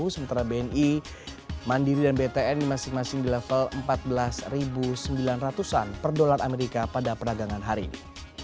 sementara bni mandiri dan btn masing masing di level empat belas sembilan ratus an per dolar amerika pada peragangan hari ini